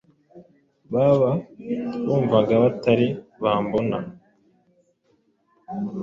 Baba bamvuga batari bambona,